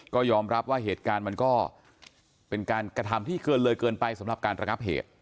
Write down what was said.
ก็ยอมรับว่าเหตุการณ์มันก็เป็นการกระทำที่เกินเลยเกินไปสำหรับการระงับเหตุ